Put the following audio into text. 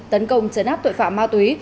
tấn công chấn áp tội phạm ma túy